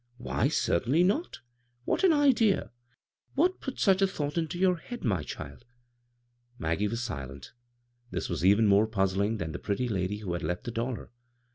" "Why, certainly not! What an idea! What put such a thought into your head, my child?" Maggie was silent This was even more puzzling than the pretty lady who had left the dollar.